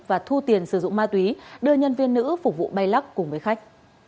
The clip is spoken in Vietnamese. và thu tiền sử dụng ma túy đưa nhân viên nữ phục vụ bay lắc cùng với khách